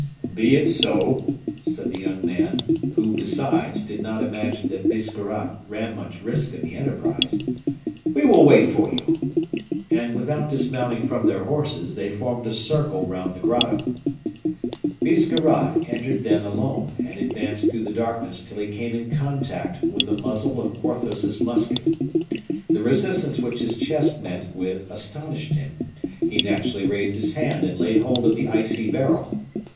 "Be it so," said the young man, who, besides, did not imagine that Biscarrat ran much risk in the enterprise, "we will wait for you." And without dismounting from their horses, they formed a circle round the grotto. Biscarrat entered then alone, and advanced through the darkness till he came in contact with the muzzle of Porthos's musket. The resistance which his chest met with astonished him; he naturally raised his hand and laid hold of the icy barrel.